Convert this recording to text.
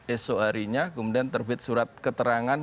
esok harinya kemudian terbit surat keterangan